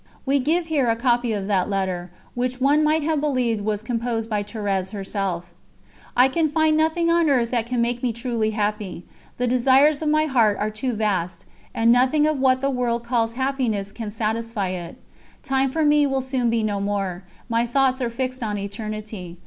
We give here a copy of that letter, which one might have believed was composed by Thérèse herself: "I can find nothing on earth that can make me truly happy; the desires of my heart are too vast, and nothing of what the world calls happiness can satisfy it. Time for me will soon be no more, my thoughts are fixed on Eternity.